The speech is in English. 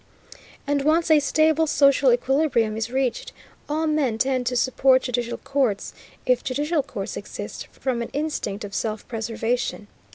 And once a stable social equilibrium is reached, all men tend to support judicial courts, if judicial courts exist, from an instinct of self preservation.